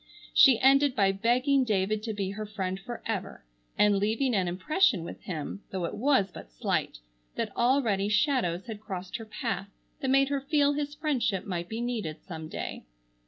She ended by begging David to be her friend forever, and leaving an impression with him, though it was but slight, that already shadows had crossed her path that made her feel his friendship might be needed some day.